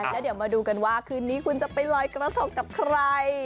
แล้วเดี๋ยวมาดูกันว่าคืนนี้คุณจะไปลอยกระทกกับใคร